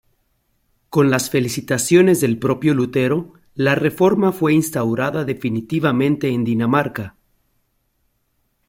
Con las felicitaciones del propio Lutero, la reforma fue instaurada definitivamente en Dinamarca.